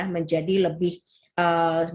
menjadi lebih baik